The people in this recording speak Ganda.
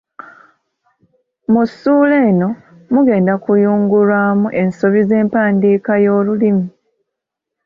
Mu ssuula eno mugenda kuyungulwamu ensobi z’empandiika y’olulimi.